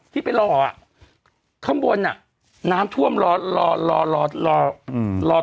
ที่ไปรออ่ะข้างบนอ่ะน้ำท่วมรอรอ